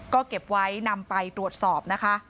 ก็เก็บไว้นำไปตรวจสอบนะคะ